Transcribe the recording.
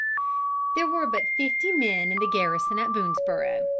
There were but fifty men in the garrison at Boonesborough.